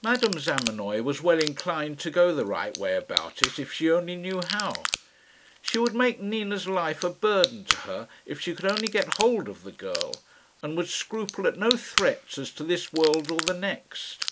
Madame Zamenoy was well inclined to go the right way about it, if she only knew how. She would make Nina's life a burden to her if she could only get hold of the girl, and would scruple at no threats as to this world or the next.